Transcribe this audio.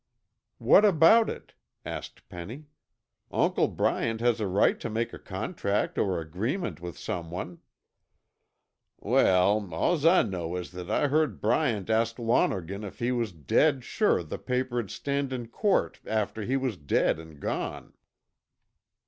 "What about it?" asked Penny. "Uncle Bryant has a right to make a contract or agreement with someone." "Wal, all's I know is that I heard Bryant ask Lonergan if he was dead sure the paper'd stand in court after he was dead and gone."